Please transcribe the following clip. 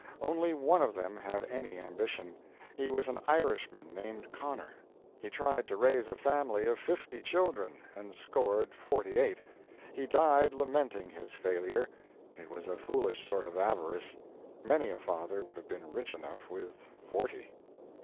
Only one of them had any ambition; he was an Irishman named Connor. He tried to raise a family of fifty children, and scored forty eight. He died lamenting his failure. It was a foolish sort of avarice. Many a father would have been rich enough with forty.